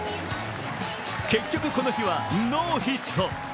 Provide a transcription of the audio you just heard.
結局、この日はノーヒット。